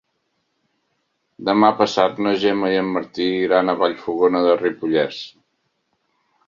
Demà passat na Gemma i en Martí iran a Vallfogona de Ripollès.